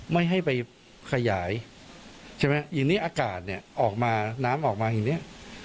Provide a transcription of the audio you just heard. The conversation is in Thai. ไม่ให้ไปขยายใช่ไหมทีนี้อากาศเนี่ยออกมาน้ำออกมาอย่างนี้